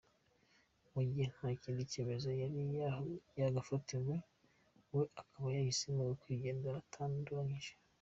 Mu gihe nta kindi cyemezo yari yagafatirwa, we akaba yahisemo kwigendera atanduranyije.